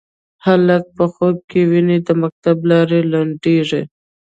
هلک په خوب کې ویني د مکتب لارې لنډیږې